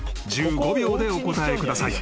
［１５秒でお答えください］